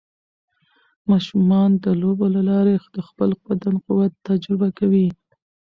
ماشومان د لوبو له لارې د خپل بدن قوت تجربه کوي.